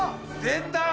出た！